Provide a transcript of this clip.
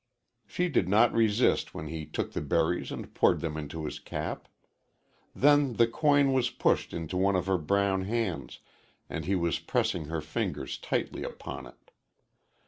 She did not resist when he took the berries and poured them into his cap. Then the coin was pushed into one of her brown hands and he was pressing her fingers tightly upon it.